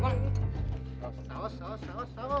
udah lagi nih bang sambalnya dikit lagi deh